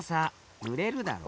ぬれるだろ。